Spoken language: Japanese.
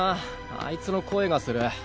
あいつの声がする。